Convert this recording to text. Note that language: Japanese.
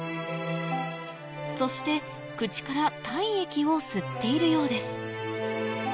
そして口から体液を吸っているようです